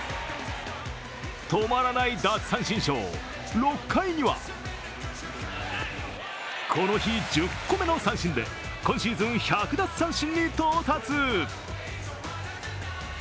止まらない奪三振ショー、６回にはこの日、１０個目の三振で今シーズン１００奪三振に到達。